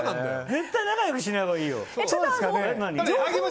絶対仲良くしないほうがいいよ。